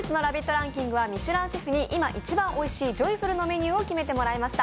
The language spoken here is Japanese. ランキングはミシュランシェフに一番おいしいジョイフルのメニューを決めてもらいました。